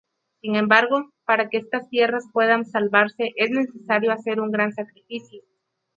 Sin embargo, para que estas tierras puedan salvarse, es necesario hacer un gran sacrificio.